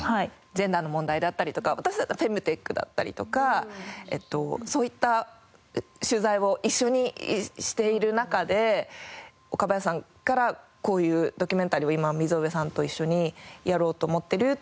ジェンダーの問題であったりとか私だとフェムテックだったりとかそういった取材を一緒にしている中で岡林さんからこういうドキュメンタリーを今溝上さんと一緒にやろうと思ってるっていう。